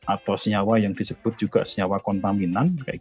atau senyawa yang disebut juga senyawa kontaminan